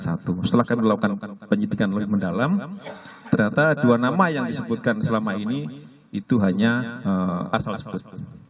setelah kami lakukan penyidikan lebih mendalam ternyata dua nama yang disebutkan selama ini itu hanya asal sebut